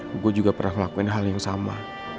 saya juga pernah melakukan hal yang sama